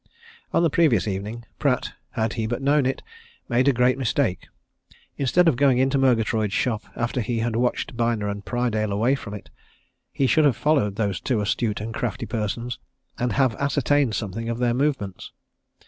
On the previous evening, Pratt had he but known it made a great mistake. Instead of going into Murgatroyd's shop after he had watched Byner and Prydale away from it he should have followed those two astute and crafty persons, and have ascertained something of their movements.